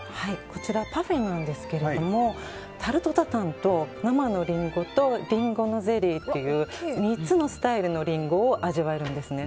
こちらはパフェなんですけれどもタルトタタンと生のリンゴとリンゴのゼリーという３つのスタイルのリンゴを味わえるんですね。